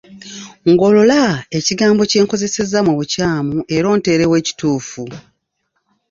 Ngolola ekigambo kye nkozesezza mu bukyamu era onteerewo ekituufu.